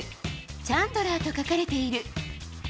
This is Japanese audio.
チャンドラーと書かれている。